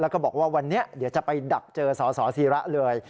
แล้วก็บอกว่าวันนี้เดี๋ยวจะไปดักเจอสสิระเลย